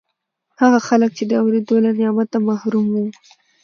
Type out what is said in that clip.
هغه خلک چې د اورېدو له نعمته محروم وو